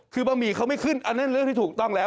คือบะหมี่เขาไม่ขึ้นอันนั้นเรื่องที่ถูกต้องแล้ว